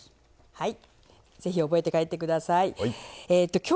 はい。